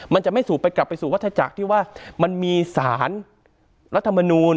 มันจะไม่สูบไปกลับไปสู่วัฒจักรที่ว่ามันมีสารรัฐมนูล